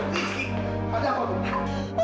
rizky pada apa bu